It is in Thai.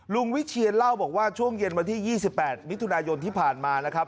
วิเชียนเล่าบอกว่าช่วงเย็นวันที่๒๘มิถุนายนที่ผ่านมานะครับ